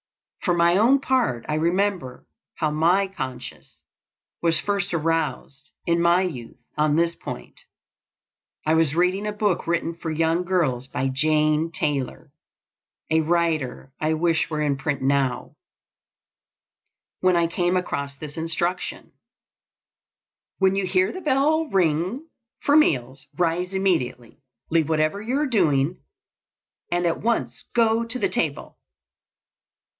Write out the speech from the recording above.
For my own part, I remember how my conscience was first aroused, in my youth, on this point. I was reading a book written for young girls by Jane Taylor a writer I wish were in print now when I came across this instruction: "When you hear the bell ring for meals, rise immediately, leave whatever you are doing, and at once go to the table."